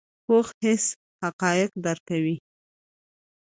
پوخ حس حقایق درک کوي